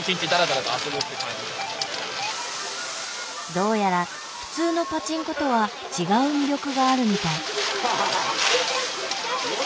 どうやら普通のパチンコとは違う魅力があるみたい。